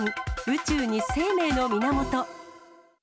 宇宙に生命の源。